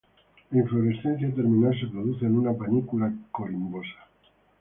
La inflorescencia terminal se produce en una panícula corimbosas.